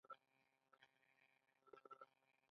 د ایران سړکونه ډیر پاخه دي.